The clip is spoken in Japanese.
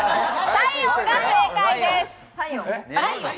体温が正解です。